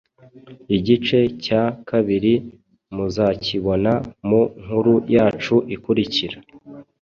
Igice cya kabiri muzakibona mu nkuru yacu ikurikira!